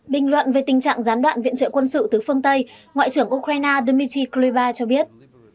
bình luận về tình trạng gián đoạn viện trợ quân sự từ phương tây ngoại trưởng ukraine dmitry kluba cho biết